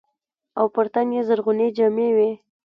او پر تن يې زرغونې جامې وې.